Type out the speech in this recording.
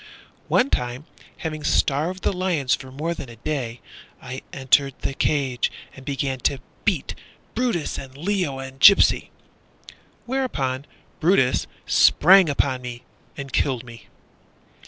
One time, having starved the lions For more than a day, I entered the cage and began to beat Brutus And Leo and Gypsy. Whereupon Brutus sprang upon me, And killed me.